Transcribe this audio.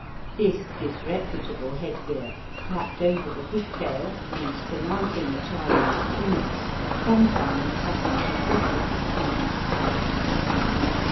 This dis reputable head gear, clapped over the pigtail, and surmounting the Chinese tunic, some times has an irresistibly comic effect.